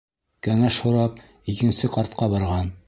Кәңәш һорап, икенсе ҡартҡа барған.